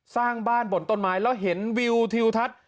สร้างบ้านบนต้นไม้แล้วเห็นวิวทิวทัศน์